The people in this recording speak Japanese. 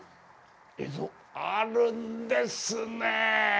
あるんですね。